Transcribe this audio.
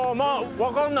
分からない